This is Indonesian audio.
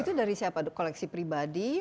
itu dari siapa koleksi pribadi